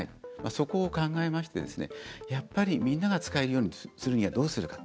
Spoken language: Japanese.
そこを考えまして、やっぱりみんなが使えるようにするにはどうするか。